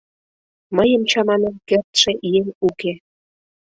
Мыйым чаманен кертше еҥ уке!